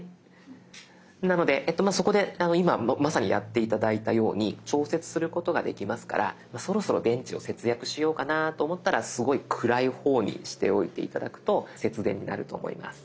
なのでそこで今まさにやって頂いたように調節することができますからそろそろ電池を節約しようかなと思ったらすごい暗い方にしておいて頂くと節電になると思います。